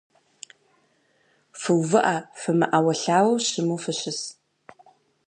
Фыувыӏэ, фымыӏэуэлъауэу, щыму фыщыс.